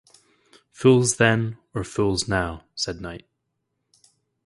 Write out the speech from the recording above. "Fools then or fools now," said Knight.